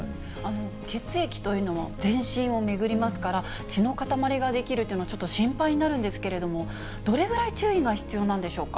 血液というのは全身を巡りますから、血の塊が出来るっていうのは、ちょっと心配になるんですけども、どれぐらい注意が必要なんでしょうか。